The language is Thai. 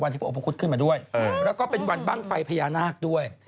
ชนิดขึ้นมาด้วยและก็เป็นวันบ้างไฟพญานาคด้วย